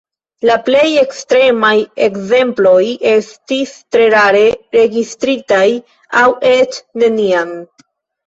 La plej ekstremaj ekzemploj estis tre rare registritaj aŭ eĉ neniam.